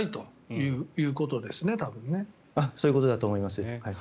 そういうことだと思います。